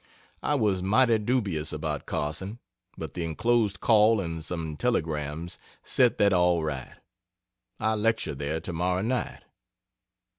I was mighty dubious about Carson, but the enclosed call and some telegrams set that all right I lecture there tomorrow night.